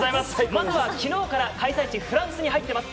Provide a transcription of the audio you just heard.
まずは昨日から開催地フランスに入っています